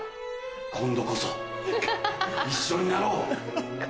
今度こそ一緒になろう！